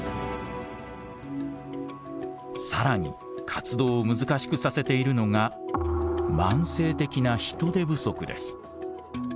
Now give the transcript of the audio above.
更に活動を難しくさせているのが慢性的な人手不足です。